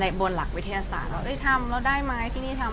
ในบรรหลักวิทยาศาสตร์